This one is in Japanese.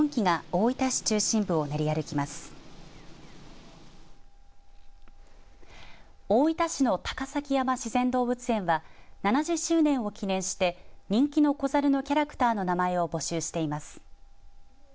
大分市の高崎山自然動物園は７０周年を記念して人気の子ザルのキャラクターの名前を募集しています。